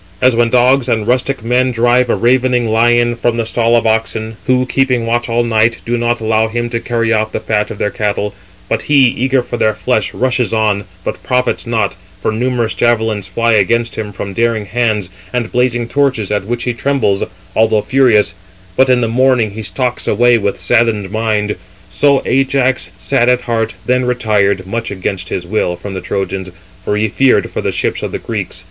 As when dogs and rustic men drive a ravening lion from the stall of oxen, who, keeping watch all night, do not allow him to carry off the fat of their cattle, but he, eager for their flesh, rushes on, but profits nought, for numerous javelins fly against him from daring hands, and blazing torches, at which he trembles, although furious; but in the morning he stalks away with saddened mind: so Ajax, sad at heart, then retired, much against his will, from the Trojans; for he feared for the ships of the Greeks.